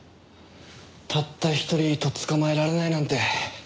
たった一人とっ捕まえられないなんて。